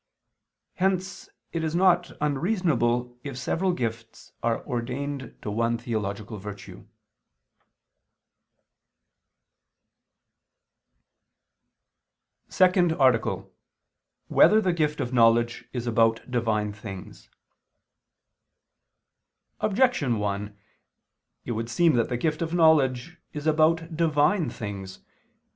Hence it is not unreasonable if several gifts are ordained to one theological virtue. _______________________ SECOND ARTICLE [II II, Q. 9, Art. 2] Whether the Gift of Knowledge Is About Divine Things? Objection 1: It would seem that the gift of knowledge is about Divine things.